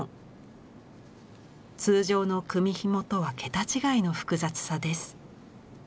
通常の組紐とは桁違いの複雑さです。